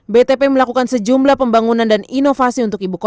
btp melakukan sejumlah pembangunan dan inovasi